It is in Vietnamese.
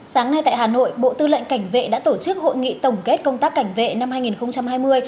sáng nay tại hà nội bộ tư lệnh cảnh vệ đã tổ chức hội nghị tổng kết công tác cảnh vệ năm hai nghìn hai mươi